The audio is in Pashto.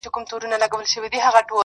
o هم راته غم راکړه ته، او هم رباب راکه.